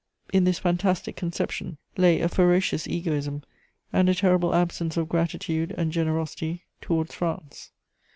In this fantastic conception lay a ferocious egoism and a terrible absence of gratitude and generosity towards France.